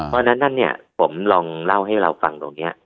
เพราะฉะนั้นผมลองเล่าให้เราฟังตรงนะครับ